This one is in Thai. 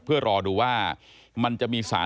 เพื่อรอดูว่ามันจะมีสาร